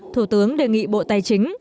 thủ tướng đề nghị bộ tài chính